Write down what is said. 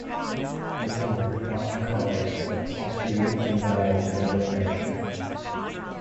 The timber, often called lacewood, is figured and valuable for indoor furniture.